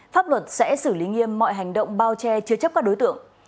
pháp luật sẽ xử lý nghiêm mọi hành động bao che chứa chấp các đối tượng